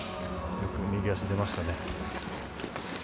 よく右足、出ましたね。